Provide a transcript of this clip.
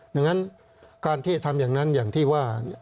ดังนั้นการที่ทำอย่างนั้นอย่างที่ว่า